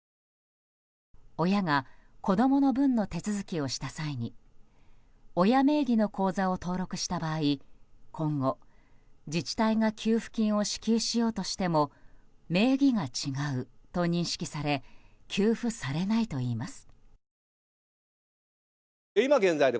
親が子供の分の手続きをした際に親名義の口座を登録した場合今後、自治体が給付金を支給しようとしても名義が違うと認識され給付されないといいます。